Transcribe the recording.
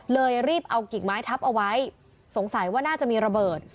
รีบเอากิ่งไม้ทับเอาไว้สงสัยว่าน่าจะมีระเบิด